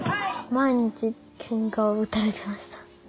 毎日けんかを打たれてました。